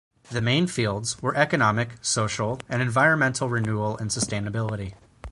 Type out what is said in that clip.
The main fields were economic, social, and environmental renewal and sustainability.